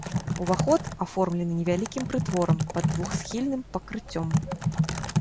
Уваход аформлены невялікім прытворам пад двухсхільным пакрыццём.